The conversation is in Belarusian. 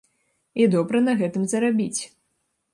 І добра на гэтым зарабіць.